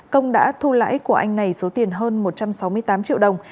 công đã thu lãi của anh này số tiền hơn một trăm sáu mươi tám triệu đồng